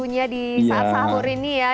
tentunya di saat sahur ini ya